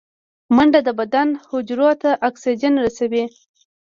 منډه د بدن حجرو ته اکسیجن رسوي